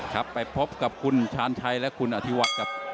ครับไปพบกับคุณชาญชัยและคุณอธิวัฒน์ครับ